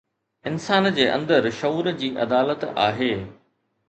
انسان جي اندر شعور جي عدالت آهي.